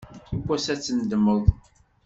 Yiwwas ad tendemmeḍ.